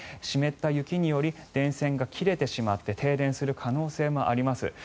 湿った雪により電線が切れてしまって停電する可能性もあります。